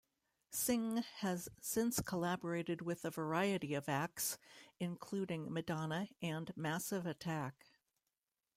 Singh has since collaborated with a variety of acts including Madonna and Massive Attack.